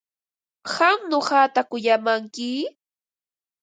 ¿Qam nuqata kuyamanki?